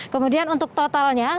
kemudian untuk totalnya